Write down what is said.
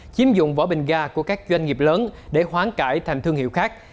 chiếm dụng vỏ bình ga của các doanh nghiệp lớn để khoáng cãi thành thương hiệu khác